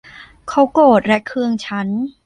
เขาโกรธและเคืองฉัน